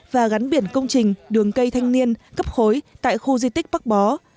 và gắn biển công trình đường cây thanh niên cấp khối tại khu di tích bắc bó